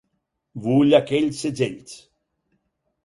Vull aquells segells!